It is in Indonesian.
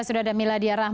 sudah ada miladia rahman